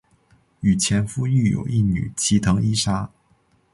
与前夫育有一女齐藤依纱。